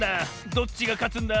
どっちがかつんだ？